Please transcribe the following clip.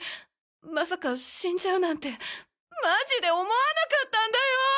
まさか死んじゃうなんてマジで思わなかったんだよぉ。